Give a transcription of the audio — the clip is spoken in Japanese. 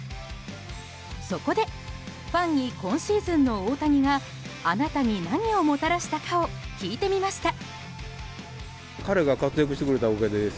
そこで、ファンに今シーズンの大谷があなたに何をもたらしたかを聞いてみました。